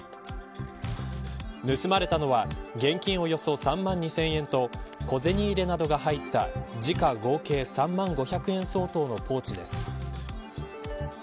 盗まれたのは現金およそ３万２０００円と小銭入れなどが入った時価合計３万５００円相当のポーチです。